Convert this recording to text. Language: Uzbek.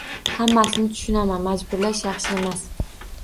Hammasini tushunaman – “majburlash yaxshi emas”